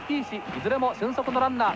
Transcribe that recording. いずれも俊足のランナー。